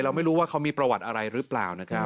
เราไม่รู้ว่ามีประวัติอะไรรึเปล่า